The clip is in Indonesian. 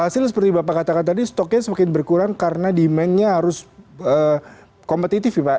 hasil seperti bapak katakan tadi stoknya semakin berkurang karena demandnya harus kompetitif ya pak